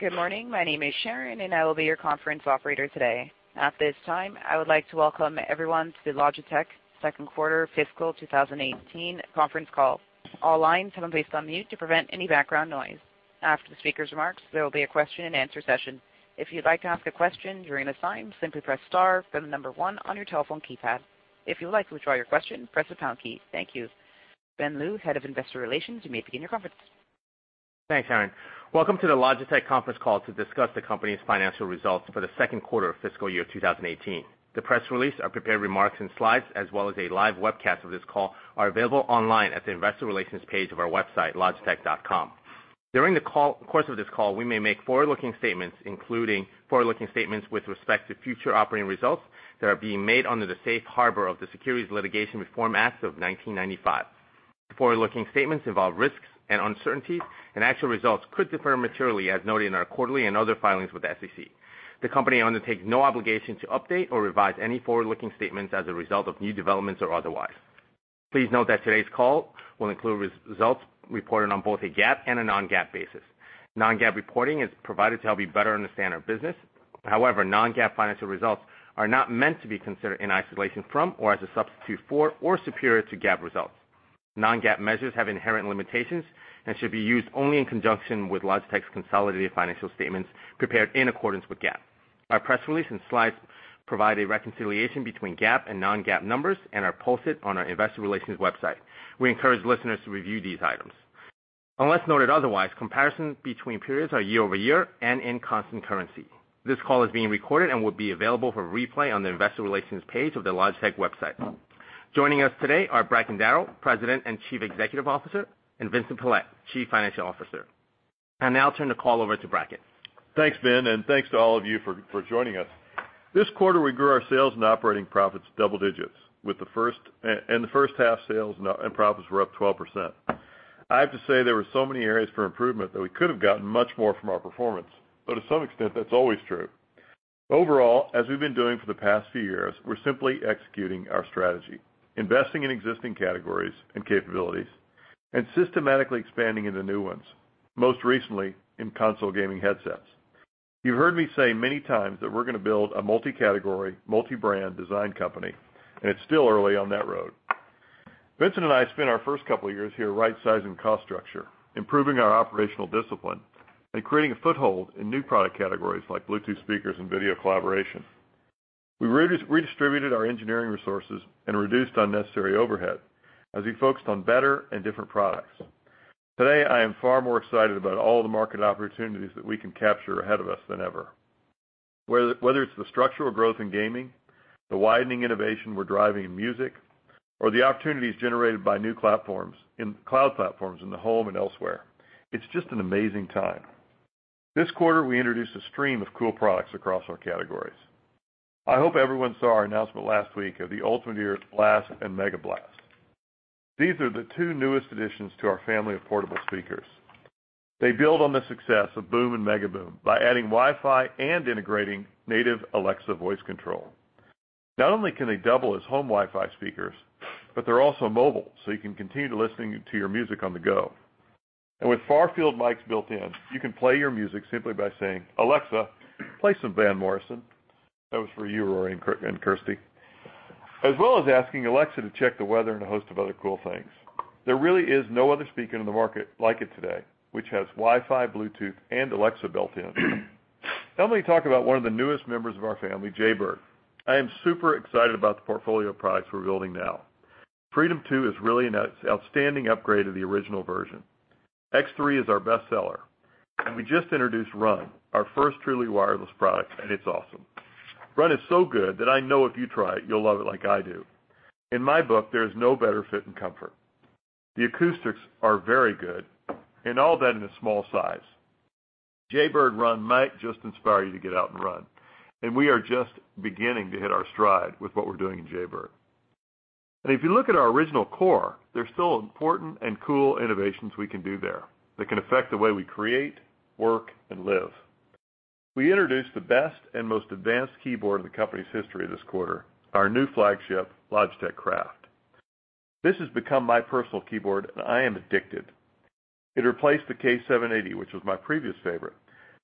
Good morning. My name is Sharon, and I will be your conference operator today. At this time, I would like to welcome everyone to the Logitech second quarter fiscal 2018 conference call. All lines have been placed on mute to prevent any background noise. After the speaker's remarks, there will be a question and answer session. If you'd like to ask a question during this time, simply press star, then the number 1 on your telephone keypad. If you'd like to withdraw your question, press the pound key. Thank you. Ben Lu, Head of Investor Relations, you may begin your conference. Thanks, Sharon. Welcome to the Logitech conference call to discuss the company's financial results for the second quarter of fiscal year 2018. The press release, our prepared remarks and slides, as well as a live webcast of this call are available online at the investor relations page of our website, logitech.com. During the course of this call, we may make forward-looking statements, including forward-looking statements with respect to future operating results that are being made under the safe harbor of the Private Securities Litigation Reform Act of 1995. Forward-looking statements involve risks and uncertainties, and actual results could differ materially as noted in our quarterly and other filings with the SEC. The company undertakes no obligation to update or revise any forward-looking statements as a result of new developments or otherwise. Please note that today's call will include results reported on both a GAAP and a non-GAAP basis. Non-GAAP reporting is provided to help you better understand our business. However, non-GAAP financial results are not meant to be considered in isolation from or as a substitute for or superior to GAAP results. Non-GAAP measures have inherent limitations and should be used only in conjunction with Logitech's consolidated financial statements prepared in accordance with GAAP. Our press release and slides provide a reconciliation between GAAP and non-GAAP numbers and are posted on our investor relations website. We encourage listeners to review these items. Unless noted otherwise, comparisons between periods are year-over-year and in constant currency. This call is being recorded and will be available for replay on the investor relations page of the Logitech website. Joining us today are Bracken Darrell, President and Chief Executive Officer, and Vincent Pilette, Chief Financial Officer. I'll now turn the call over to Bracken. Thanks, Ben, thanks to all of you for joining us. This quarter, we grew our sales and operating profits double digits, the first half sales and profits were up 12%. I have to say, there were so many areas for improvement that we could have gotten much more from our performance. To some extent, that's always true. Overall, as we've been doing for the past few years, we're simply executing our strategy, investing in existing categories and capabilities, systematically expanding into new ones, most recently in console gaming headsets. You heard me say many times that we're going to build a multi-category, multi-brand design company, and it's still early on that road. Vincent and I spent our first couple of years here right-sizing cost structure, improving our operational discipline, and creating a foothold in new product categories like Bluetooth speakers and video collaboration. We redistributed our engineering resources and reduced unnecessary overhead as we focused on better and different products. Today, I am far more excited about all the market opportunities that we can capture ahead of us than ever. Whether it's the structural growth in gaming, the widening innovation we're driving in music, or the opportunities generated by new cloud platforms in the home and elsewhere, it's just an amazing time. This quarter, we introduced a stream of cool products across our categories. I hope everyone saw our announcement last week of the Ultimate Ears BLAST and MEGABLAST. These are the two newest additions to our family of portable speakers. They build on the success of BOOM and MEGABOOM by adding Wi-Fi and integrating native Alexa voice control. Not only can they double as home Wi-Fi speakers, but they're also mobile, so you can continue to listen to your music on the go. With far-field mics built in, you can play your music simply by saying, "Alexa, play some Van Morrison." That was for you, Rory and Kirsty. As well as asking Alexa to check the weather and a host of other cool things. There really is no other speaker on the market like it today, which has Wi-Fi, Bluetooth, and Alexa built in. Let me talk about one of the newest members of our family, Jaybird. I am super excited about the portfolio of products we're building now. Freedom 2 is really an outstanding upgrade of the original version. X3 is our best seller. We just introduced Run, our first truly wireless product, and it's awesome. Run is so good that I know if you try it, you'll love it like I do. In my book, there is no better fit and comfort. The acoustics are very good, and all that in a small size. Jaybird Run might just inspire you to get out and run. We are just beginning to hit our stride with what we're doing in Jaybird. If you look at our original core, there's still important and cool innovations we can do there that can affect the way we create, work, and live. We introduced the best and most advanced keyboard in the company's history this quarter, our new flagship, Logitech Craft. This has become my personal keyboard, and I am addicted. It replaced the K780, which was my previous favorite.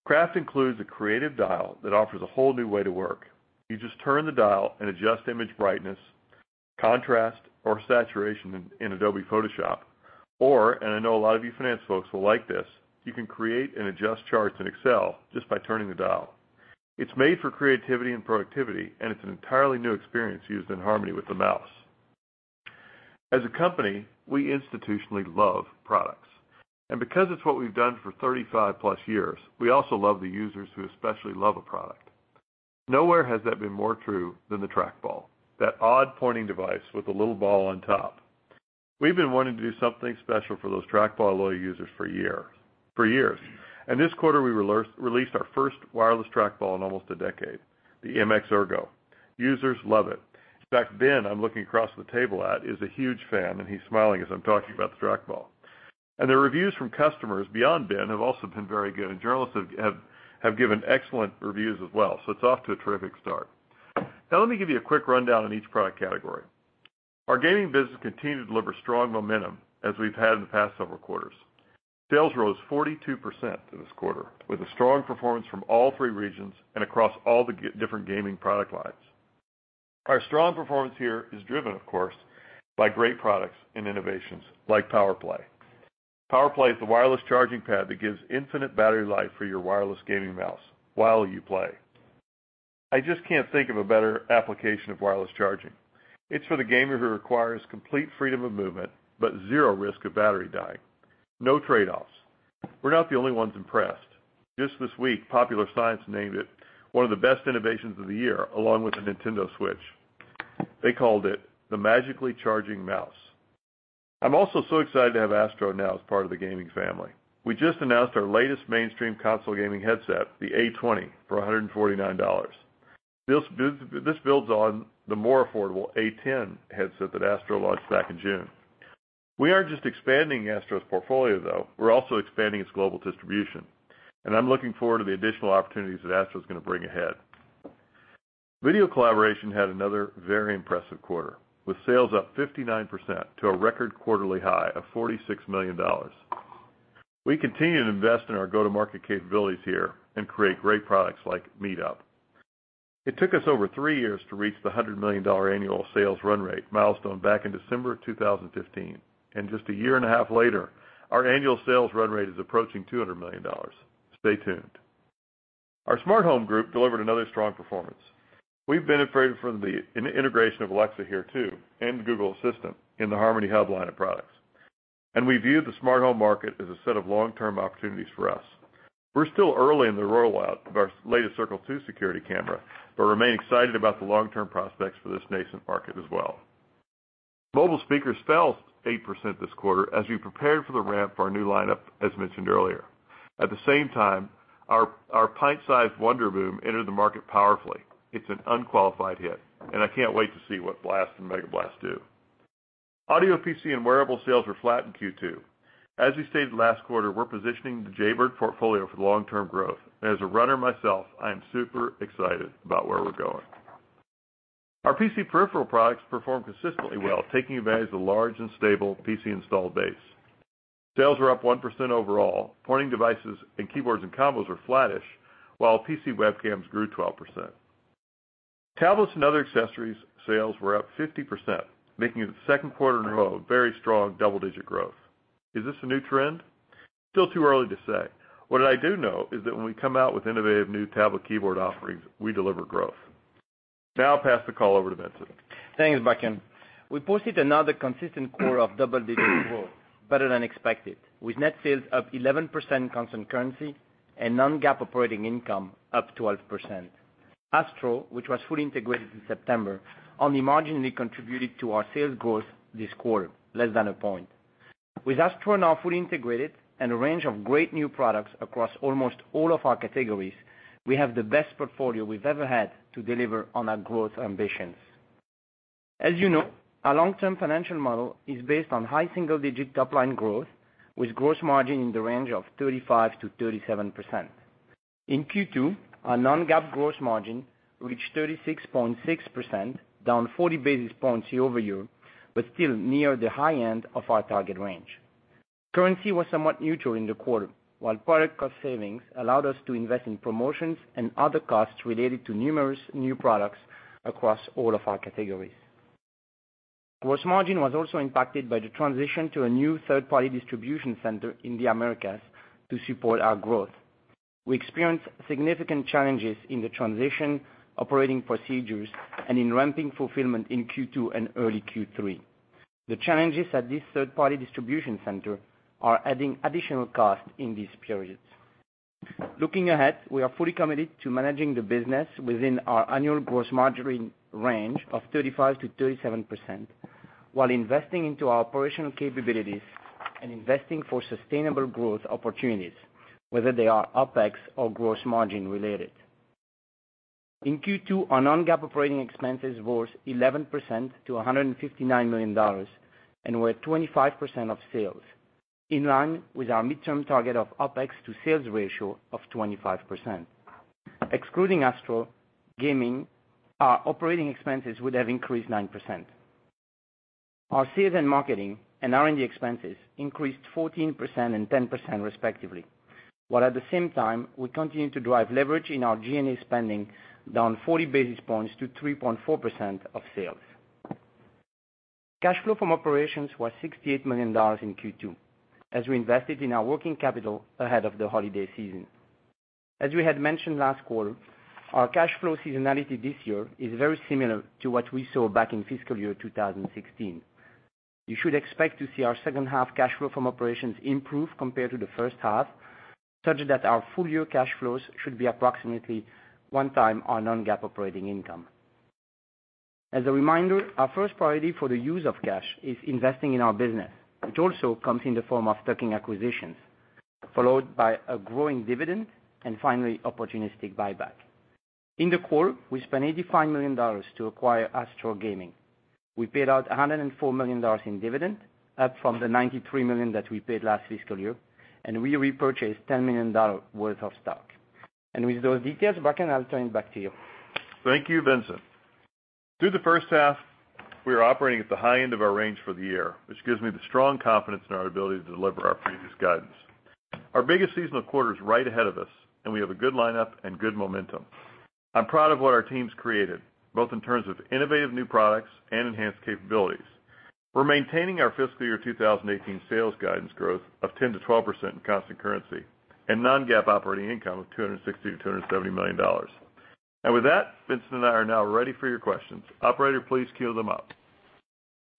Craft includes a creative dial that offers a whole new way to work. You just turn the dial and adjust image brightness, contrast, or saturation in Adobe Photoshop. I know a lot of you finance folks will like this, you can create and adjust charts in Excel just by turning the dial. It's made for creativity and productivity, and it's an entirely new experience used in harmony with the mouse. As a company, we institutionally love products. Because it's what we've done for 35-plus years, we also love the users who especially love a product. Nowhere has that been more true than the trackball, that odd pointing device with a little ball on top. We've been wanting to do something special for those trackball loyal users for years. This quarter, we released our first wireless trackball in almost a decade, the MX Ergo. Users love it. In fact, Ben, I'm looking across the table at, is a huge fan, and he's smiling as I'm talking about the trackball. The reviews from customers beyond Ben have also been very good, and journalists have given excellent reviews as well. It's off to a terrific start. Now let me give you a quick rundown on each product category. Our gaming business continued to deliver strong momentum as we've had in the past several quarters. Sales rose 42% this quarter, with a strong performance from all three regions and across all the different gaming product lines. Our strong performance here is driven, of course, by great products and innovations like PowerPlay. PowerPlay is the wireless charging pad that gives infinite battery life for your wireless gaming mouse while you play. I just can't think of a better application of wireless charging. It's for the gamer who requires complete freedom of movement, but zero risk of battery dying. No trade-offs. We're not the only ones impressed. Just this week, Popular Science named it one of the best innovations of the year, along with the Nintendo Switch. They called it the magically charging mouse. I'm also so excited to have Astro now as part of the gaming family. We just announced our latest mainstream console gaming headset, the A20, for $149. This builds on the more affordable A10 headset that Astro launched back in June. We aren't just expanding Astro's portfolio though, we're also expanding its global distribution. I'm looking forward to the additional opportunities that Astro's going to bring ahead. Video collaboration had another very impressive quarter, with sales up 59% to a record quarterly high of $46 million. We continue to invest in our go-to-market capabilities here and create great products like MeetUp. It took us over three years to reach the $100 million annual sales run rate milestone back in December 2015. Just a year and a half later, our annual sales run rate is approaching $200 million. Stay tuned. Our smart home group delivered another strong performance. We've benefited from the integration of Alexa here too, and Google Assistant in the Harmony Hub line of products. We view the smart home market as a set of long-term opportunities for us. We're still early in the rollout of our latest Circle 2 security camera, but remain excited about the long-term prospects for this nascent market as well. Mobile speakers fell 8% this quarter as we prepared for the ramp for our new lineup, as mentioned earlier. At the same time, our pint-sized WONDERBOOM entered the market powerfully. It's an unqualified hit, and I can't wait to see what BLAST and MEGABLAST do. Audio PC and wearable sales were flat in Q2. As we stated last quarter, we're positioning the Jaybird portfolio for long-term growth. As a runner myself, I am super excited about where we're going. Our PC peripheral products performed consistently well, taking advantage of the large and stable PC installed base. Sales were up 1% overall. Pointing devices and keyboards and combos were flattish, while PC webcams grew 12%. Tablets and other accessories sales were up 50%, making it a second quarter in a row of very strong double-digit growth. Is this a new trend? Still too early to say. What I do know is that when we come out with innovative new tablet keyboard offerings, we deliver growth. Now I'll pass the call over to Vincent. Thanks, Buck. We posted another consistent quarter of double-digit growth, better than expected, with net sales up 11% constant currency and non-GAAP operating income up 12%. Astro, which was fully integrated in September, on the margin contributed to our sales growth this quarter, less than a point. With Astro now fully integrated and a range of great new products across almost all of our categories, we have the best portfolio we've ever had to deliver on our growth ambitions. As you know, our long-term financial model is based on high single-digit top-line growth, with gross margin in the range of 35%-37%. In Q2, our non-GAAP gross margin reached 36.6%, down 40 basis points year-over-year, still near the high end of our target range. Currency was somewhat neutral in the quarter, while product cost savings allowed us to invest in promotions and other costs related to numerous new products across all of our categories. Gross margin was also impacted by the transition to a new third-party distribution center in the Americas to support our growth. We experienced significant challenges in the transition, operating procedures, and in ramping fulfillment in Q2 and early Q3. The challenges at this third-party distribution center are adding additional cost in these periods. Looking ahead, we are fully committed to managing the business within our annual gross margin range of 35%-37%, while investing into our operational capabilities and investing for sustainable growth opportunities, whether they are OpEx or gross margin related. In Q2, our non-GAAP operating expenses rose 11% to CHF 159 million and were 25% of sales, in line with our midterm target of OpEx to sales ratio of 25%. Excluding Astro Gaming, our operating expenses would have increased 9%. Our sales and marketing and R&D expenses increased 14% and 10% respectively, while at the same time, we continue to drive leverage in our G&A spending down 40 basis points to 3.4% of sales. Cash flow from operations was CHF 68 million in Q2, as we invested in our working capital ahead of the holiday season. As we had mentioned last quarter, our cash flow seasonality this year is very similar to what we saw back in fiscal year 2016. You should expect to see our second half cash flow from operations improve compared to the first half, such that our full year cash flows should be approximately one time our non-GAAP operating income. As a reminder, our first priority for the use of cash is investing in our business, which also comes in the form of tuck-in acquisitions, followed by a growing dividend, finally, opportunistic buyback. In the quarter, we spent $85 million to acquire Astro Gaming. We paid out CHF 104 million in dividend, up from the 93 million that we paid last fiscal year, we repurchased CHF 10 million worth of stock. With those details, Bracken, I'll turn it back to you. Thank you, Vincent. Through the first half, we are operating at the high end of our range for the year, which gives me the strong confidence in our ability to deliver our previous guidance. Our biggest seasonal quarter is right ahead of us, we have a good lineup and good momentum. I'm proud of what our team's created, both in terms of innovative new products and enhanced capabilities. We're maintaining our fiscal year 2018 sales guidance growth of 10%-12% in constant currency and non-GAAP operating income of CHF 260 million-CHF 270 million. With that, Vincent and I are now ready for your questions. Operator, please queue them up.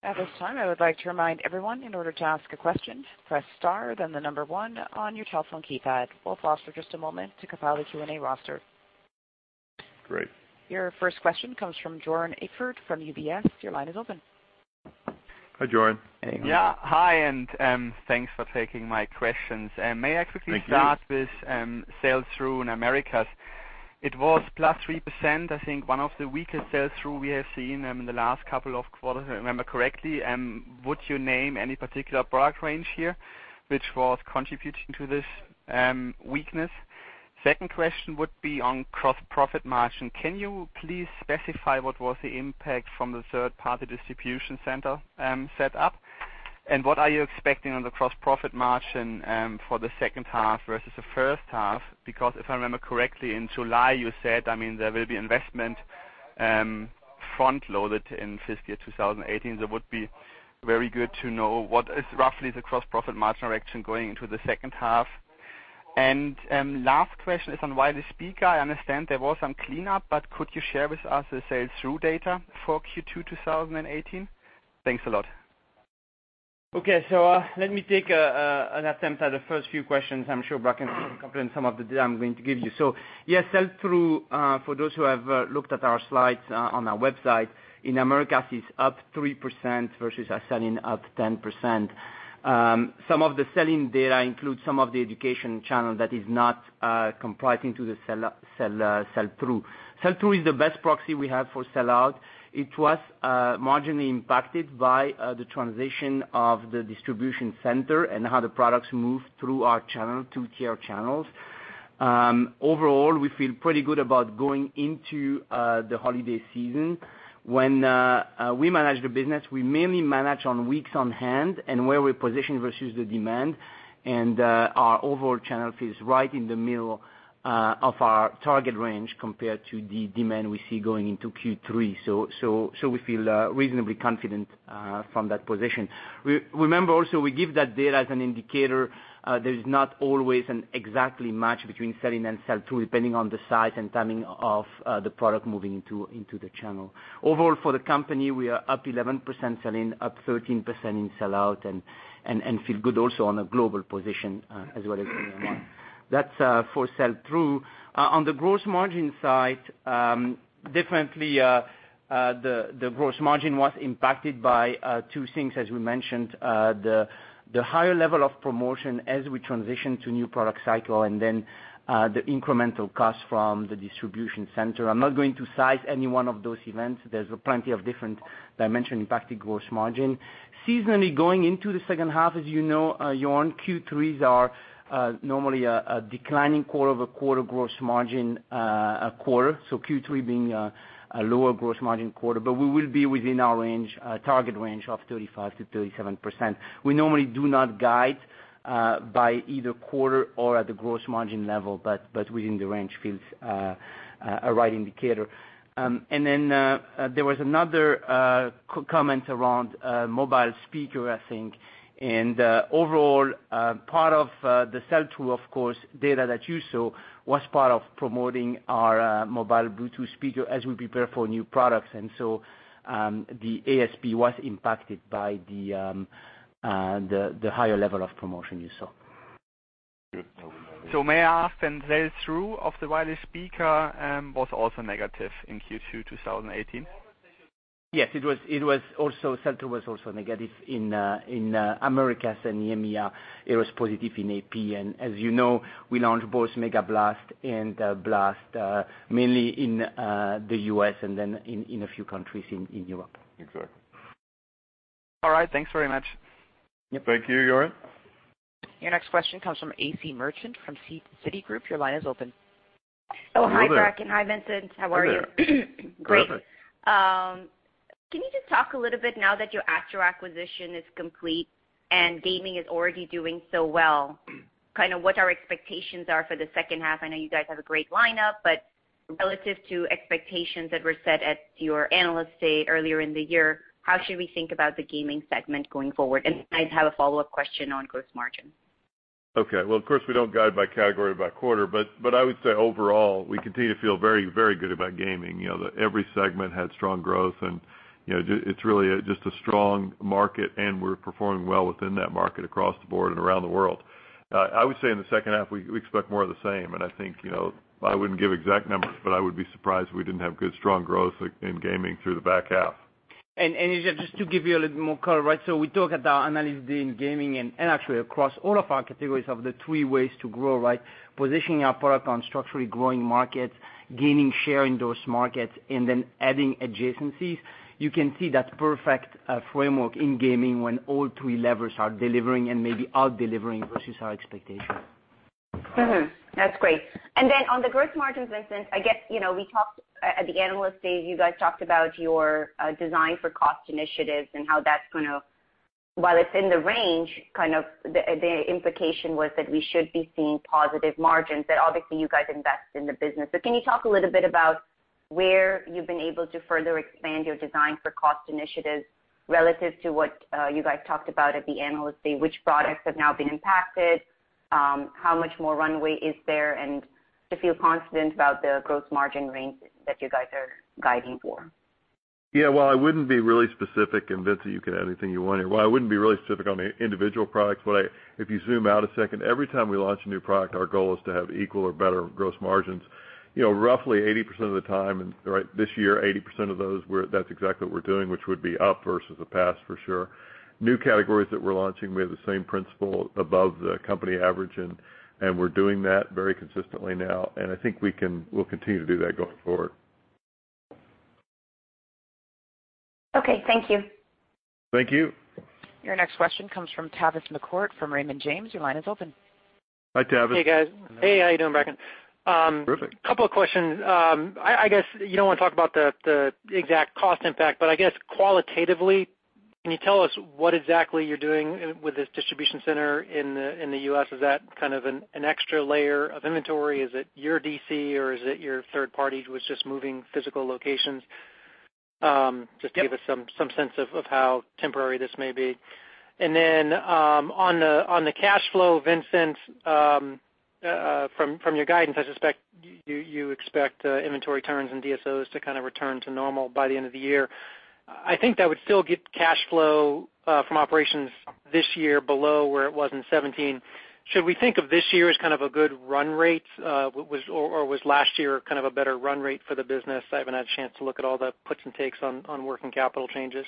At this time, I would like to remind everyone, in order to ask a question, press star, then the number 1 on your telephone keypad. We'll pause for just a moment to compile the Q&A roster. Great. Your first question comes from Joern Iffert from UBS. Your line is open. Hi, Joern. Hey. Yeah. Hi, thanks for taking my questions. Thank you. May I quickly start with sales through in Americas? It was plus 3%, I think one of the weakest sales through we have seen in the last couple of quarters, if I remember correctly. Would you name any particular product range here which was contributing to this weakness? Second question would be on gross profit margin. Can you please specify what was the impact from the third-party distribution center set up? What are you expecting on the gross profit margin for the second half versus the first half? Because if I remember correctly, in July, you said, there will be investment front-loaded in fiscal year 2018. It would be very good to know what is roughly the gross profit margin direction going into the second half. Last question is on wireless speaker. I understand there was some cleanup, could you share with us the sell-through data for Q2 2018? Thanks a lot. Okay. Let me take an attempt at the first few questions. I'm sure Bracken can complement some of the data I'm going to give you. Yes, sell-through, for those who have looked at our slides on our website, in Americas is up 3% versus our sell-in up 10%. Some of the sell-in data includes some of the education channel that is not comprised into the sell-through. Sell-through is the best proxy we have for sell-out. It was marginally impacted by the transition of the distribution center and how the products move through our channel, two-tier channels. Overall, we feel pretty good about going into the holiday season. When we manage the business, we mainly manage on weeks on hand and where we position versus the demand. Our overall channel fits right in the middle of our target range compared to the demand we see going into Q3. We feel reasonably confident from that position. Remember also, we give that data as an indicator. There is not always an exactly match between sell-in and sell-through, depending on the size and timing of the product moving into the channel. Overall, for the company, we are up 11% sell-in, up 13% in sell-out, and feel good also on a global position as well as in That's for sell-through. On the gross margin side, definitely the gross margin was impacted by two things, as we mentioned. The higher level of promotion as we transition to new product cycle, and then the incremental cost from the distribution center. I'm not going to cite any one of those events. There's plenty of different dimension impacting gross margin. Seasonally, going into the second half, as you know, Joern, Q3s are normally a declining quarter-over-quarter gross margin quarter, Q3 being a lower gross margin quarter. We will be within our target range of 35%-37%. We normally do not guide by either quarter or at the gross margin level, within the range feels a right indicator. There was another comment around mobile speaker, I think. Overall, part of the sell-through, of course, data that you saw was part of promoting our mobile Bluetooth speaker as we prepare for new products. The ASP was impacted by the higher level of promotion you saw. Thank you. May I ask, then sell-through of the wireless speaker was also negative in Q2 2018? Yes, sell-through was also negative in Americas and EMEA. It was positive in AP. As you know, we launched both MEGABLAST and BLAST mainly in the U.S. and then in a few countries in Europe. Exactly. All right. Thanks very much. Thank you, Joern. Your next question comes from Asiya Merchant from Citigroup. Your line is open. Oh, hi. Hello there. Bracken. Hi, Vincent. How are you? Hi there. Great. Perfect. Can you just talk a little bit now that your Astro acquisition is complete and gaming is already doing so well, kind of what our expectations are for the second half? I know you guys have a great lineup, but relative to expectations that were set at your Analyst Day earlier in the year, how should we think about the gaming segment going forward? And I have a follow-up question on gross margin. Okay. Well, of course, we don't guide by category by quarter, but I would say overall, we continue to feel very good about gaming. Every segment had strong growth, and it's really just a strong market, and we're performing well within that market across the board and around the world. I would say in the second half, we expect more of the same, and I think I wouldn't give exact numbers, but I would be surprised if we didn't have good, strong growth in gaming through the back half. AC, just to give you a little more color, we talk at our Analyst Day in gaming and actually across all of our categories of the three ways to grow, right? Positioning our product on structurally growing markets, gaining share in those markets, and then adding adjacencies. You can see that perfect framework in gaming when all three levers are delivering and maybe out-delivering versus our expectation. That's great. On the gross margins, Vincent, at the Analyst Day, you guys talked about your Design for Cost Initiatives. While it's in the range, kind of the implication was that we should be seeing positive margins, that obviously you guys invest in the business. Can you talk a little bit about where you've been able to further expand your Design for Cost Initiatives relative to what you guys talked about at the Analyst Day? Which products have now been impacted? How much more runway is there to feel confident about the gross profit margin range that you guys are guiding for. I wouldn't be really specific, Vincent, you can add anything you want here. I wouldn't be really specific on the individual products, but if you zoom out a second, every time we launch a new product, our goal is to have equal or better gross margins. Roughly 80% of the time, this year, 80% of those, that's exactly what we're doing, which would be up versus the past, for sure. New categories that we're launching, we have the same principle above the company average, we're doing that very consistently now, I think we'll continue to do that going forward. Thank you. Thank you. Your next question comes from Tavis McCourt from Raymond James. Your line is open. Hi, Tavis. Hey, guys. Hey, how you doing, Bracken? Perfect. Couple of questions. I guess you don't want to talk about the exact cost impact, but I guess qualitatively, can you tell us what exactly you're doing with this distribution center in the U.S.? Is that kind of an extra layer of inventory? Is it your DC or is it your third party who was just moving physical locations? Just to give us some sense of how temporary this may be. On the cash flow, Vincent, from your guidance, I suspect you expect inventory turns and DSOs to kind of return to normal by the end of the year. I think that would still get cash flow from operations this year below where it was in 2017. Should we think of this year as kind of a good run rate? Or was last year kind of a better run rate for the business? I haven't had a chance to look at all the puts and takes on working capital changes.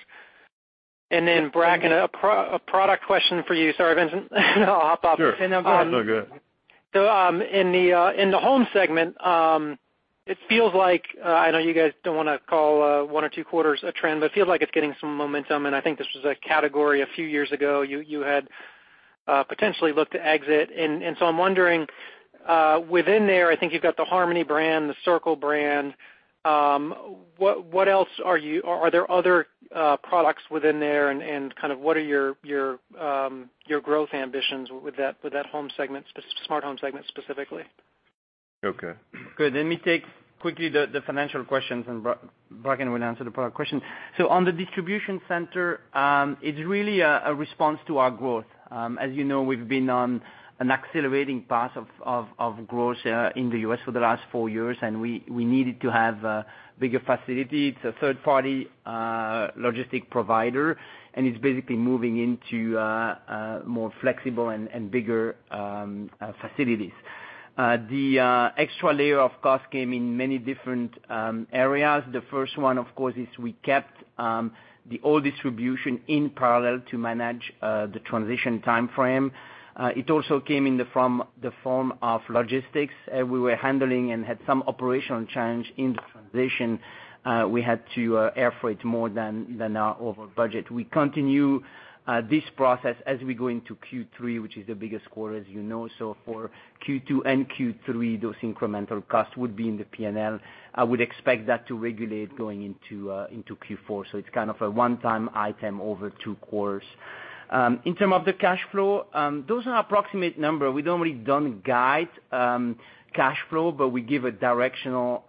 Bracken, a product question for you. Sorry, Vincent. I'll hop off. Sure. No, it's all good. In the home segment, it feels like, I know you guys don't want to call one or two quarters a trend, but it feels like it's getting some momentum, and I think this was a category a few years ago you had potentially looked to exit. I'm wondering, within there, I think you've got the Harmony brand, the Circle brand. Are there other products within there, and kind of what are your growth ambitions with that home segment, specific smart home segment specifically? Okay. Good. Let me take quickly the financial questions, and Bracken will answer the product question. On the distribution center, it's really a response to our growth. As you know, we've been on an accelerating path of growth here in the U.S. for the last four years, and we needed to have a bigger facility. It's a third-party logistic provider, and it's basically moving into more flexible and bigger facilities. The extra layer of cost came in many different areas. The first one, of course, is we kept the old distribution in parallel to manage the transition timeframe. It also came in the form of logistics. We were handling and had some operational change in the transition. We had to air freight more than our over budget. We continue this process as we go into Q3, which is the biggest quarter, as you know. For Q2 and Q3, those incremental costs would be in the P&L. I would expect that to regulate going into Q4. It's kind of a one-time item over two quarters. In terms of the cash flow, those are approximate numbers. We normally don't guide cash flow, but we give a directional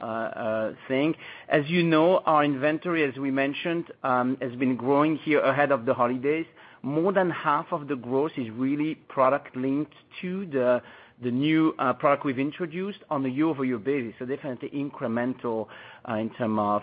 thing. As you know, our inventory, as we mentioned, has been growing here ahead of the holidays. More than half of the growth is really product linked to the new product we've introduced on a year-over-year basis. Definitely incremental in terms of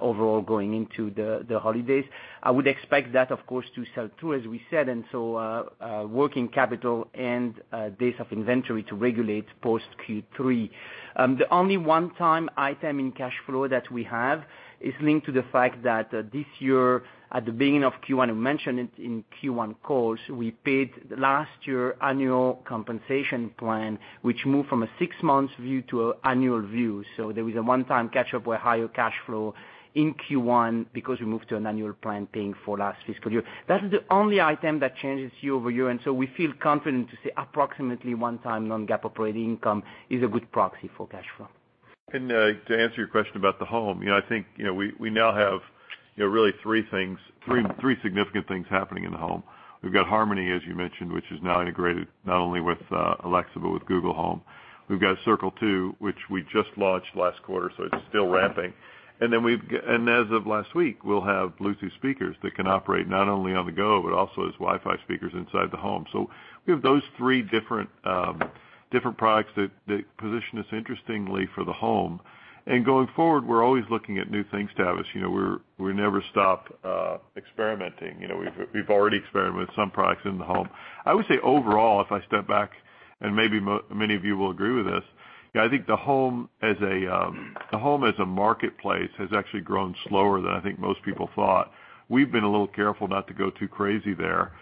overall going into the holidays. I would expect that, of course, to sell too, as we said, and so working capital and days of inventory to regulate post Q3. The only one-time item in cash flow that we have is linked to the fact that this year at the beginning of Q1, we mentioned it in Q1 calls, we paid last year annual compensation plan, which moved from a six-month view to annual view. There is a one-time catch-up where higher cash flow in Q1 because we moved to an annual plan paying for last fiscal year. That is the only item that changes year-over-year, and so we feel confident to say approximately one-time non-GAAP operating income is a good proxy for cash flow. To answer your question about the home, I think we now have really three significant things happening in the home. We've got Harmony, as you mentioned, which is now integrated not only with Alexa but with Google Home. We've got Circle 2, which we just launched last quarter, so it's still ramping. As of last week, we'll have Bluetooth speakers that can operate not only on the go, but also as Wi-Fi speakers inside the home. We have those three different products that position us interestingly for the home. Going forward, we're always looking at new things, Tavis. We never stop experimenting. We've already experimented with some products in the home. I would say overall, if I step back, and maybe many of you will agree with this, I think the home as a marketplace has actually grown slower than I think most people thought. We've been a little careful not to go too crazy there.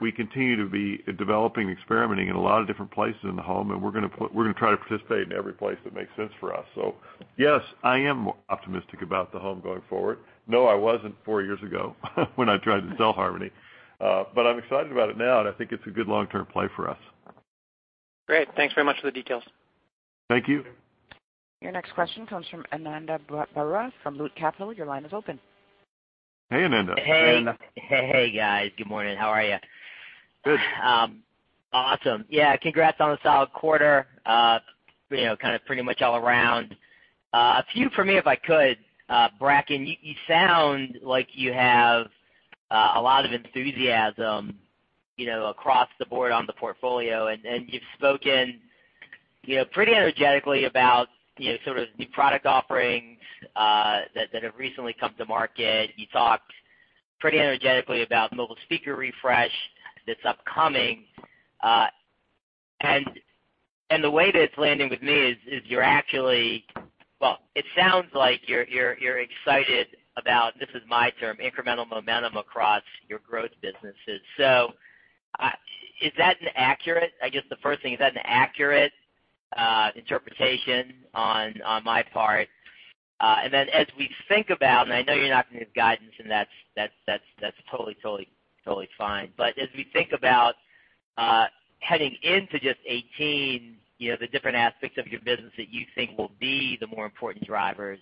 We continue to be developing and experimenting in a lot of different places in the home, and we're going to try to participate in every place that makes sense for us. Yes, I am optimistic about the home going forward. No, I wasn't four years ago when I tried to sell Harmony. I'm excited about it now, and I think it's a good long-term play for us. Great. Thanks very much for the details. Thank you. Your next question comes from Ananda Baruah from Loop Capital. Your line is open. Hey, Ananda. Hey. Ananda. Hey, guys. Good morning. How are you? Good. Awesome. Yeah, congrats on a solid quarter, pretty much all around. A few from me, if I could. Bracken, you sound like you have a lot of enthusiasm across the board on the portfolio, and you've spoken pretty energetically about sort of new product offerings that have recently come to market. You talked pretty energetically about mobile speaker refresh that's upcoming. The way that it's landing with me is, well, it sounds like you're excited about, this is my term, incremental momentum across your growth businesses. I guess the first thing, is that an accurate interpretation on my part? As we think about, I know you're not going to give guidance, and that's totally fine, as we think about heading into just 2018, the different aspects of your business that you think will be the more important drivers,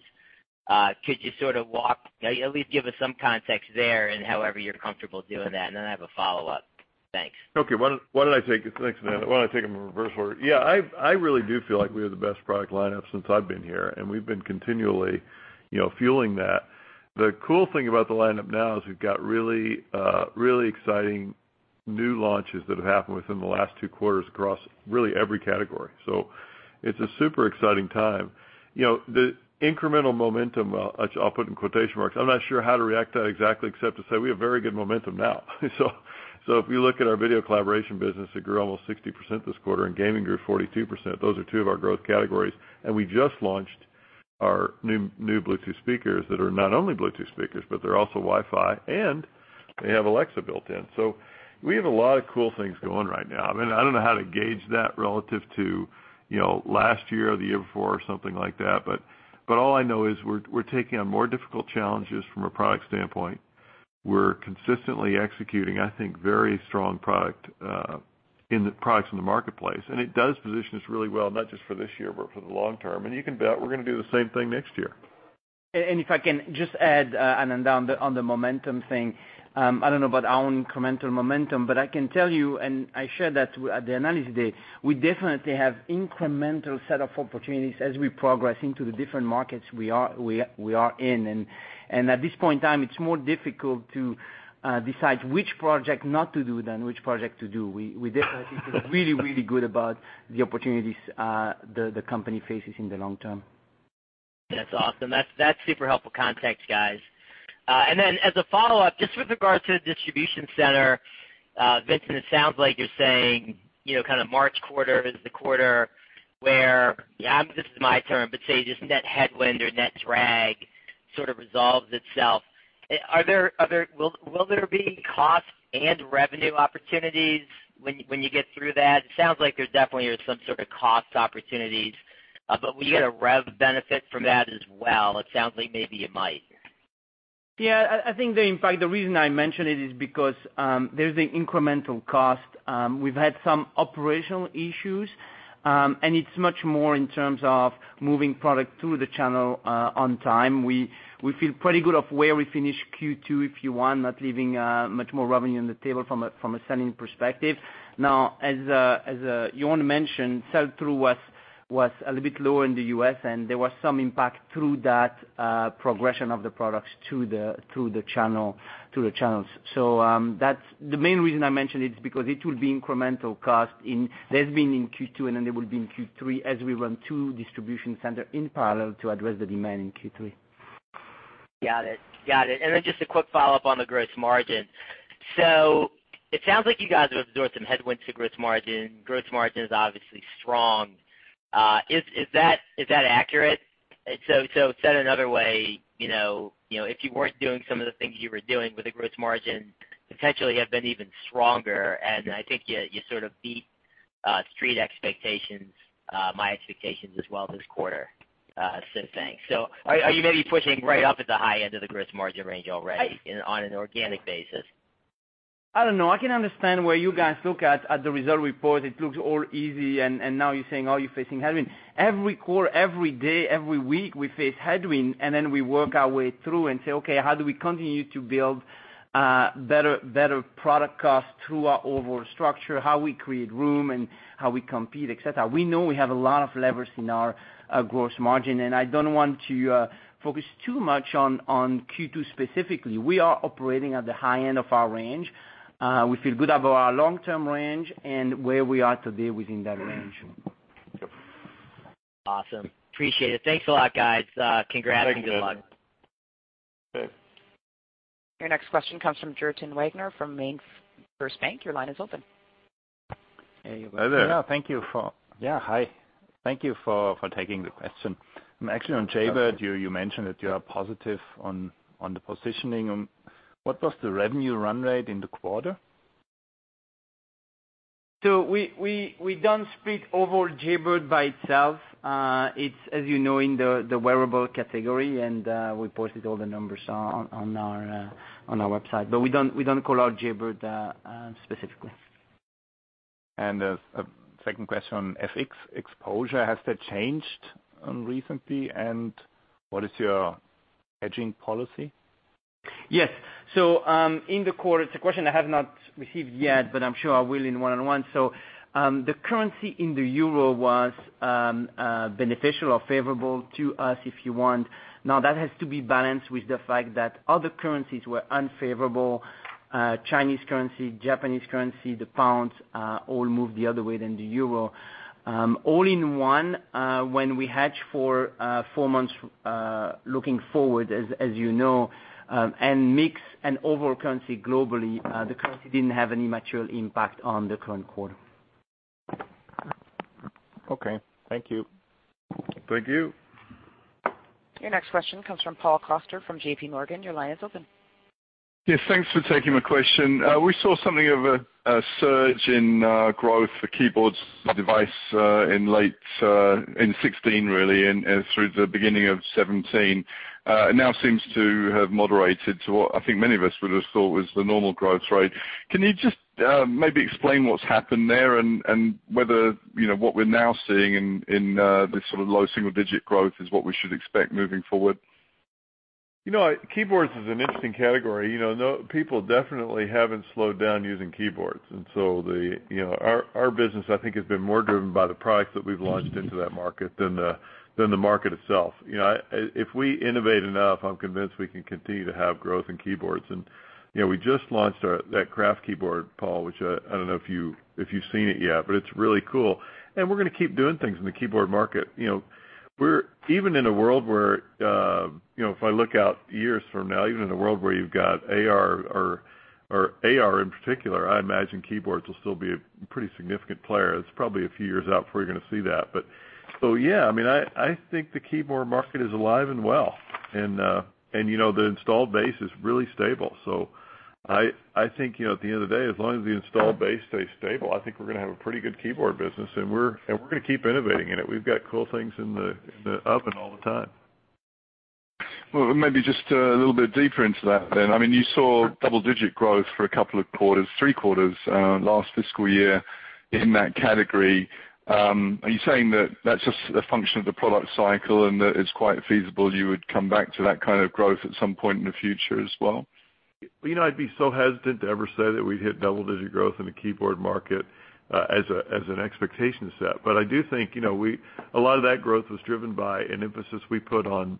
could you sort of walk, at least give us some context there in however you're comfortable doing that? I have a follow-up. Thanks. Okay. Why don't I take them in reverse order? Yeah, I really do feel like we have the best product lineup since I've been here, and we've been continually fueling that. The cool thing about the lineup now is we've got really exciting new launches that have happened within the last two quarters across really every category. It's a super exciting time. The incremental momentum, I'll put in quotation marks, I'm not sure how to react to that exactly, except to say we have very good momentum now. If you look at our video collaboration business, it grew almost 60% this quarter, and gaming grew 42%. Those are two of our growth categories. We just launched our new Bluetooth speakers that are not only Bluetooth speakers, but they're also Wi-Fi, and they have Alexa built in. We have a lot of cool things going right now. I don't know how to gauge that relative to last year or the year before or something like that, but all I know is we're taking on more difficult challenges from a product standpoint. We're consistently executing, I think, very strong products in the marketplace, and it does position us really well, not just for this year, but for the long term. You can bet we're going to do the same thing next year. If I can just add, Ananda, on the momentum thing. I don't know about our incremental momentum, but I can tell you, and I shared that at the Analyst Day, we definitely have incremental set of opportunities as we progress into the different markets we are in. At this point in time, it's more difficult to decide which project not to do than which project to do. We definitely feel really good about the opportunities the company faces in the long term. That's awesome. That's super helpful context, guys. As a follow-up, just with regard to the distribution center, Vincent, it sounds like you're saying kind of March quarter is the quarter where, this is my term, but say, just net headwind or net drag sort of resolves itself. Will there be cost and revenue opportunities when you get through that? It sounds like there definitely are some sort of cost opportunities. Will you get a rev benefit from that as well? It sounds like maybe you might. I think in fact, the reason I mention it is because there's an incremental cost. We've had some operational issues, and it's much more in terms of moving product through the channel on time. We feel pretty good of where we finish Q2, if you want, not leaving much more revenue on the table from a selling perspective. As Joern mentioned, sell-through was a little bit lower in the U.S., and there was some impact through that progression of the products through the channels. The main reason I mention it is because it will be incremental cost in there's been in Q2, and then there will be in Q3 as we run two distribution centers in parallel to address the demand in Q3. Got it. Just a quick follow-up on the gross margin. It sounds like you guys have absorbed some headwinds to gross margin. Gross margin is obviously strong. Is that accurate? Said another way, if you weren't doing some of the things you were doing with the gross margin, potentially have been even stronger, and I think you sort of beat Street expectations, my expectations as well this quarter. Thanks. Are you maybe pushing right up at the high end of the gross margin range already on an organic basis? I don't know. I can understand where you guys look at the result report, it looks all easy, and now you're saying, "Oh, you're facing headwind." Every quarter, every day, every week, we face headwind, and then we work our way through and say, "Okay, how do we continue to build better product cost through our overall structure, how we create room and how we compete, et cetera?" We know we have a lot of levers in our gross margin, and I don't want to focus too much on Q2 specifically. We are operating at the high end of our range. We feel good about our long-term range and where we are today within that range. Awesome. Appreciate it. Thanks a lot, guys. Congrats and good luck. Thank you, Ananda. Okay. Your next question comes from Gertin Wagner from MainFirst Bank. Your line is open. Hey. Hi, there. Yeah. Hi. Thank you for taking the question. Actually, on Jaybird, you mentioned that you are positive on the positioning. What was the revenue run rate in the quarter? We don't speak overall Jaybird by itself. It's, as you know, in the wearable category, and we posted all the numbers on our website. We don't call out Jaybird specifically. A second question, FX exposure, has that changed recently? And what is your hedging policy? Yes. In the quarter, it's a question I have not received yet, but I'm sure I will in one-on-one. The currency in the euro was beneficial or favorable to us, if you want. Now, that has to be balanced with the fact that other currencies were unfavorable. Chinese currency, Japanese currency, the pound, all moved the other way than the euro. All in one, when we hedge for four months, looking forward, as you know, and mix an overall currency globally, the currency didn't have any material impact on the current quarter. Okay. Thank you. Thank you. Your next question comes from Paul Coster from JPMorgan. Your line is open. Yes, thanks for taking my question. We saw something of a surge in growth for keyboards device in late 2016, really, and through the beginning of 2017. It now seems to have moderated to what I think many of us would have thought was the normal growth rate. Can you just maybe explain what's happened there and whether what we're now seeing in this sort of low single-digit growth is what we should expect moving forward? Keyboards is an interesting category. People definitely haven't slowed down using keyboards. Our business, I think, has been more driven by the products that we've launched into that market than the market itself. If we innovate enough, I'm convinced we can continue to have growth in keyboards. We just launched that Craft keyboard, Paul, which I don't know if you've seen it yet, but it's really cool. We're going to keep doing things in the keyboard market. Even in a world where, if I look out years from now, even in a world where you've got AR, or AR in particular, I imagine keyboards will still be a pretty significant player. It's probably a few years out before you're going to see that. Yeah, I think the keyboard market is alive and well. The installed base is really stable. I think at the end of the day, as long as the installed base stays stable, I think we're going to have a pretty good keyboard business, and we're going to keep innovating in it. We've got cool things in the oven all the time. Maybe just a little bit deeper into that. You saw double-digit growth for a couple of quarters, three quarters last fiscal year in that category. Are you saying that that's just a function of the product cycle and that it's quite feasible you would come back to that kind of growth at some point in the future as well? I'd be so hesitant to ever say that we'd hit double-digit growth in the keyboard market as an expectation set. I do think a lot of that growth was driven by an emphasis we put on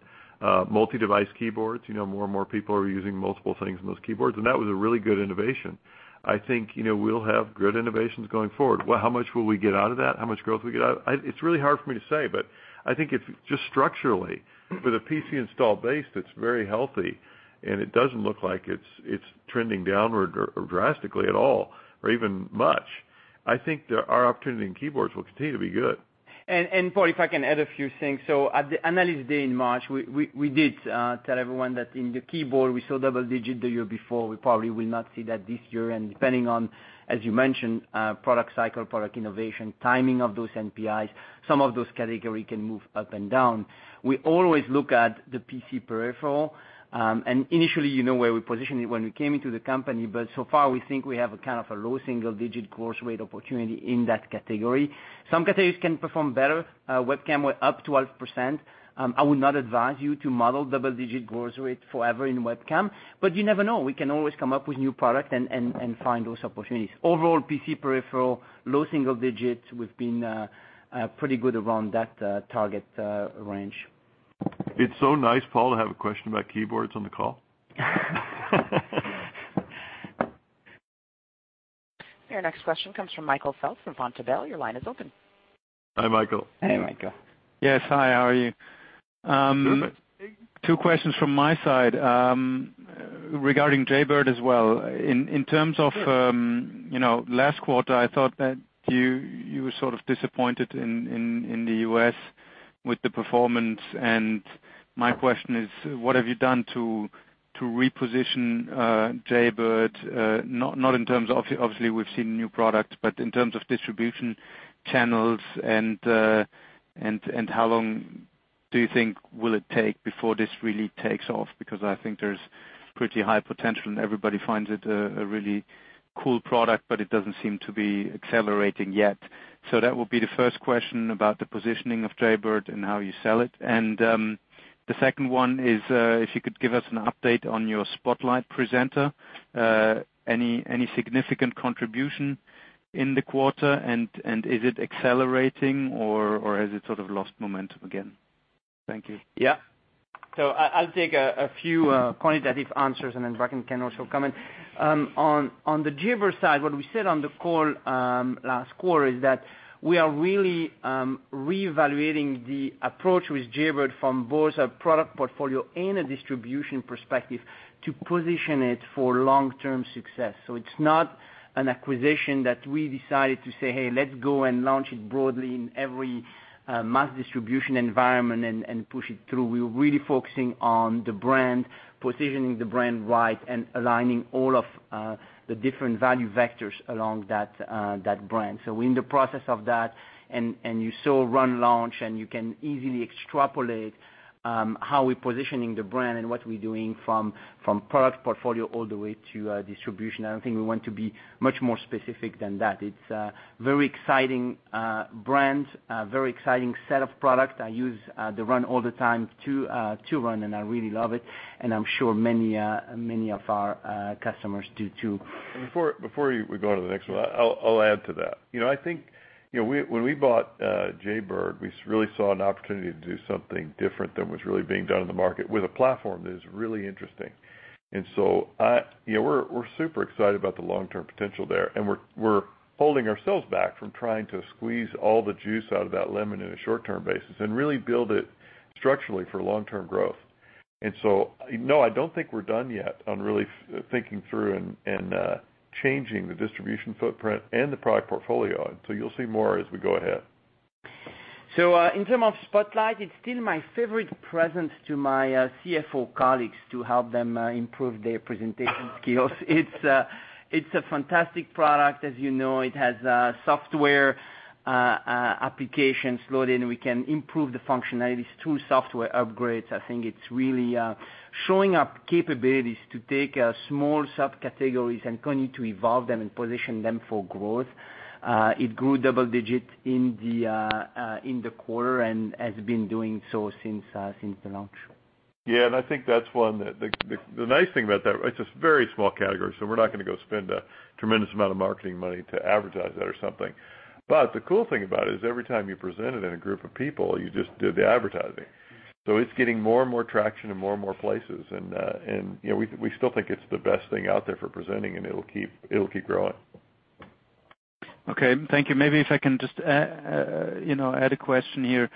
multi-device keyboards. More and more people are using multiple things in those keyboards, and that was a really good innovation. I think we'll have good innovations going forward. How much will we get out of that? How much growth we get out of it? It's really hard for me to say, but I think just structurally, with a PC-installed base that's very healthy, and it doesn't look like it's trending downward drastically at all, or even much. I think our opportunity in keyboards will continue to be good. Paul, if I can add a few things. At the Analyst Day in March, we did tell everyone that in the keyboard, we saw double-digit the year before. We probably will not see that this year. Depending on, as you mentioned, product cycle, product innovation, timing of those NPIs, some of those categories can move up and down. We always look at the PC peripheral, and initially, you know where we positioned it when we came into the company, but so far, we think we have a low single-digit growth rate opportunity in that category. Some categories can perform better. Webcam, we're up 12%. I would not advise you to model double-digit growth rate forever in webcam, but you never know. We can always come up with new product and find those opportunities. Overall, PC peripheral, low single digits. We've been pretty good around that target range. It's so nice, Paul, to have a question about keyboards on the call. Your next question comes from Michael Foeth from Vontobel. Your line is open. Hi, Michael. Hey, Michael. Yes, hi, how are you? Good. Two questions from my side regarding Jaybird as well. In terms of last quarter, I thought that you were sort of disappointed in the U.S. with the performance. My question is, what have you done to reposition Jaybird? Not in terms of, obviously, we've seen new products, but in terms of distribution channels and how long do you think will it take before this really takes off? I think there's pretty high potential and everybody finds it a really cool product, but it doesn't seem to be accelerating yet. That would be the first question about the positioning of Jaybird and how you sell it. The second one is if you could give us an update on your Spotlight presenter, any significant contribution in the quarter, and is it accelerating or has it sort of lost momentum again? Thank you. Yeah. I'll take a few quantitative answers, and then Bracken can also comment. On the Jaybird side, what we said on the call last quarter is that we are really reevaluating the approach with Jaybird from both a product portfolio and a distribution perspective to position it for long-term success. It's not an acquisition that we decided to say, "Hey, let's go and launch it broadly in every mass distribution environment and push it through." We're really focusing on the brand, positioning the brand right, and aligning all of the different value vectors along that brand. We're in the process of that, and you saw Run launch, and you can easily extrapolate how we're positioning the brand and what we're doing from product portfolio all the way to distribution. I don't think we want to be much more specific than that. It's a very exciting brand, a very exciting set of products. I use the Run all the time to run, and I really love it, and I'm sure many of our customers do, too. Before we go to the next one, I'll add to that. I think when we bought Jaybird, we really saw an opportunity to do something different than was really being done in the market with a platform that is really interesting. We're super excited about the long-term potential there, and we're holding ourselves back from trying to squeeze all the juice out of that lemon in a short-term basis and really build it structurally for long-term growth. No, I don't think we're done yet on really thinking through and changing the distribution footprint and the product portfolio. You'll see more as we go ahead. In term of Spotlight, it's still my favorite present to my CFO colleagues to help them improve their presentation skills. It's a fantastic product. As you know, it has software applications loaded, and we can improve the functionalities through software upgrades. I think it's really showing up capabilities to take small subcategories and continue to evolve them and position them for growth. It grew double-digit in the quarter and has been doing so since the launch. The nice thing about that, it's a very small category, so we're not going to go spend a tremendous amount of marketing money to advertise that or something. The cool thing about it is every time you present it in a group of people, you just did the advertising. It's getting more and more traction in more and more places, and we still think it's the best thing out there for presenting, and it'll keep growing. Okay. Thank you. Maybe if I can just add a question here.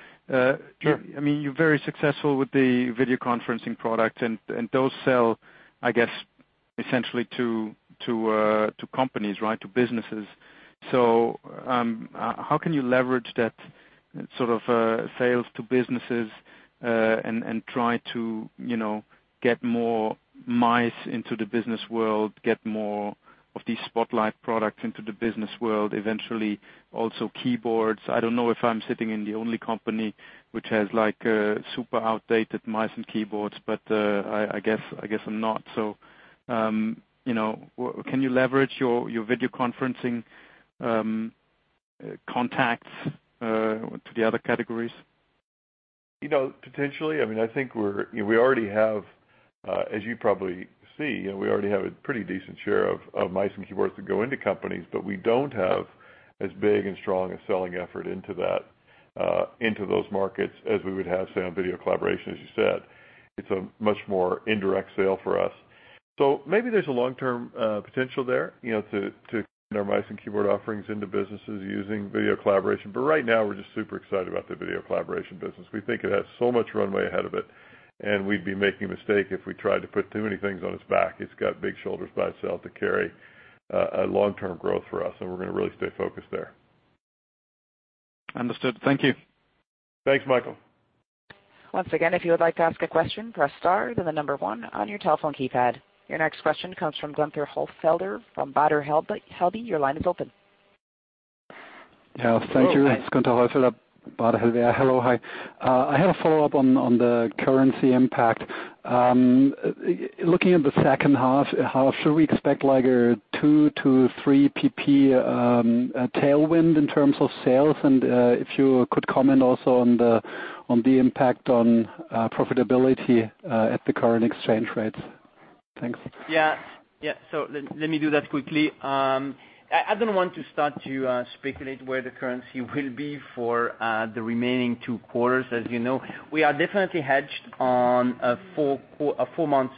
Sure. You're very successful with the video conferencing product, those sell, I guess, essentially to companies, right? To businesses. How can you leverage that sort of sales to businesses, and try to get more mice into the business world, get more of these Spotlight products into the business world, eventually also keyboards. I don't know if I'm sitting in the only company which has super outdated mice and keyboards, I guess I'm not. Can you leverage your video conferencing contacts to the other categories? Potentially. I think, as you probably see, we already have a pretty decent share of mice and keyboards that go into companies, we don't have as big and strong a selling effort into those markets as we would have, say, on video collaboration, as you said. It's a much more indirect sale for us. Maybe there's a long-term potential there to get our mice and keyboard offerings into businesses using video collaboration. Right now, we're just super excited about the video collaboration business. We think it has so much runway ahead of it, and we'd be making a mistake if we tried to put too many things on its back. It's got big shoulders by itself to carry a long-term growth for us, and we're going to really stay focused there. Understood. Thank you. Thanks, Michael. Once again, if you would like to ask a question, press star, then the number one on your telephone keypad. Your next question comes from Gunther Holzfelder from Baader Helvea. Your line is open. Thank you. It's Gunther Holzfelder, Baader Helvea. Hello. Hi. I have a follow-up on the currency impact. Looking at the second half, should we expect like a two to three percentage points tailwind in terms of sales? If you could comment also on the impact on profitability at the current exchange rates. Thanks. Let me do that quickly. I don't want to start to speculate where the currency will be for the remaining two quarters. As you know, we are definitely hedged on a four months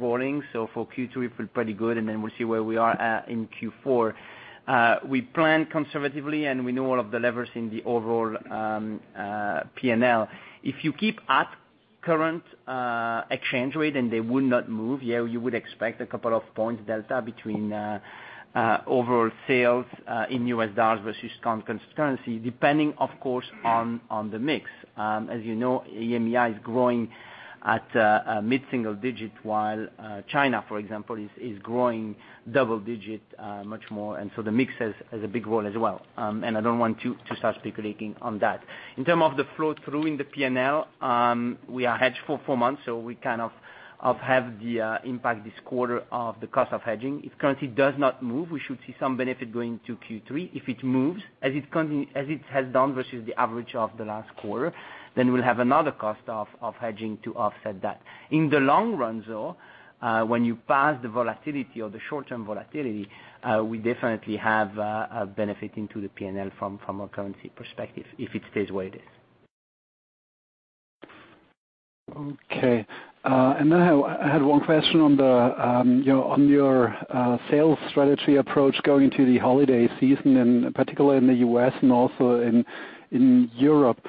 rolling. For Q3, we feel pretty good, and then we'll see where we are at in Q4. We plan conservatively, and we know all of the levers in the overall P&L. If you keep at current exchange rate and they would not move, you would expect a couple of points delta between overall sales in US dollars versus constant currency, depending, of course, on the mix. As you know, EMEA is growing at mid-single digits, while China, for example, is growing double digit, much more. The mix has a big role as well. I don't want to start speculating on that. In terms of the flow through in the P&L, we are hedged for 4 months, so we kind of have the impact this quarter of the cost of hedging. If currency does not move, we should see some benefit going to Q3. If it moves, as it has done versus the average of the last quarter, then we'll have another cost of hedging to offset that. In the long run, though, when you pass the volatility or the short-term volatility, we definitely have a benefit into the P&L from a currency perspective, if it stays where it is. Okay. I had one question on your sales strategy approach going into the holiday season, and particularly in the U.S. and also in Europe.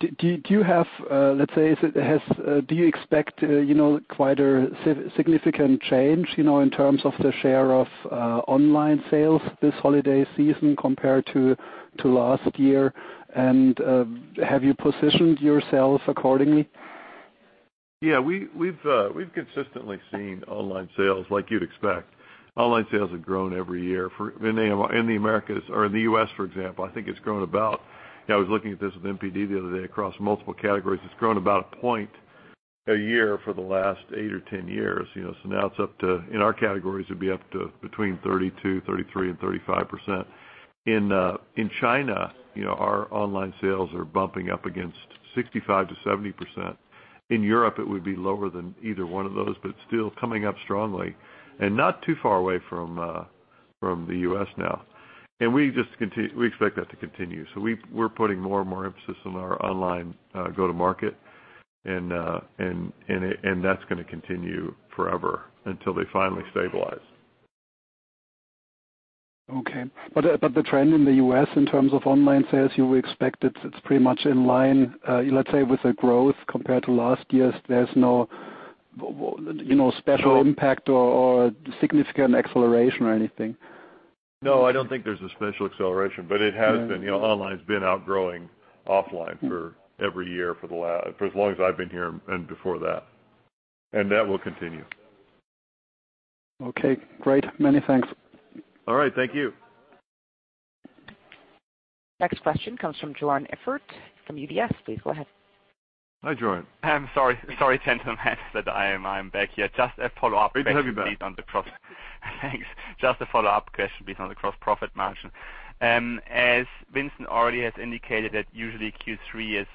Do you expect quite a significant change in terms of the share of online sales this holiday season compared to last year? Have you positioned yourselves accordingly? Yeah, we've consistently seen online sales, like you'd expect. Online sales have grown every year in the Americas or in the U.S., for example. I was looking at this with NPD the other day across multiple categories. It's grown about a point a year for the last eight or 10 years. Now, in our categories, it would be up to between 32%, 33% and 35%. In China, our online sales are bumping up against 65%-70%. In Europe, it would be lower than either one of those, but still coming up strongly and not too far away from the U.S. now. We expect that to continue. We're putting more and more emphasis on our online go-to-market, and that's going to continue forever until they finally stabilize. Okay. The trend in the U.S. in terms of online sales, you expect it's pretty much in line, let's say, with the growth compared to last year? There's no special impact or significant acceleration or anything? No, I don't think there's a special acceleration, but online's been outgrowing offline for every year for as long as I've been here and before that, and that will continue. Okay, great. Many thanks. All right. Thank you. Next question comes from Joern Iffert from UBS. Please go ahead. Hi, Joern. I'm sorry, gentlemen, that I am back here. Just a follow-up. Great to have you back. Thanks. Just a follow-up question based on the gross profit margin. As Vincent Pilette already has indicated that usually Q3 is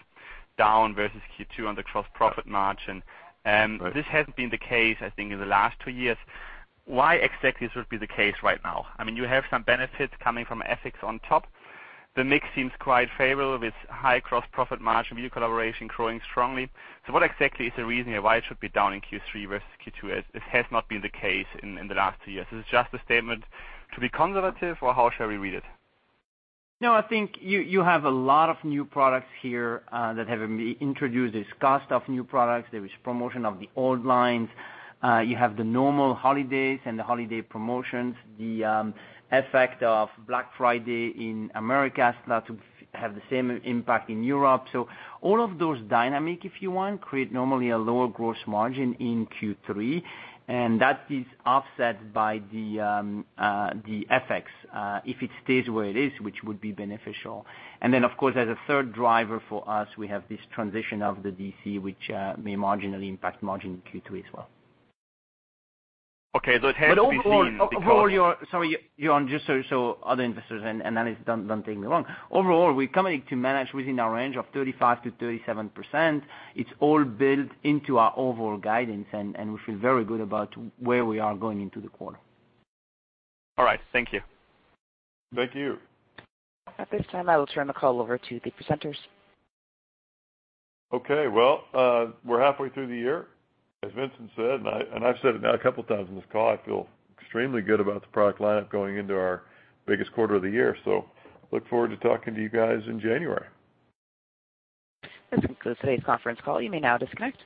down versus Q2 on the gross profit margin. Right. This hasn't been the case, I think, in the last 2 years. Why exactly this would be the case right now? You have some benefits coming from FX on top. The mix seems quite favorable with high gross profit margin, video collaboration growing strongly. What exactly is the reason why it should be down in Q3 versus Q2, as this has not been the case in the last 2 years? Is this just a statement to be conservative, or how shall we read it? No, I think you have a lot of new products here that have been introduced as cost of new products. There is promotion of the old lines. You have the normal holidays and the holiday promotions, the effect of Black Friday in America start to have the same impact in Europe. All of those dynamic, if you want, create normally a lower gross margin in Q3, and that is offset by the FX, if it stays where it is, which would be beneficial. Then, of course, as a third driver for us, we have this transition of the DC, which may marginally impact margin in Q2 as well. Okay. It has to be seen. Sorry, Joern, just so other investors and analysts don't take me wrong. Overall, we're coming to manage within our range of 35%-37%. It's all built into our overall guidance, and we feel very good about where we are going into the quarter. All right. Thank you. Thank you. At this time, I will turn the call over to the presenters. Okay. Well, we're halfway through the year, as Vincent said, and I've said it now a couple times on this call. I feel extremely good about the product lineup going into our biggest quarter of the year. Look forward to talking to you guys in January. This concludes today's conference call. You may now disconnect.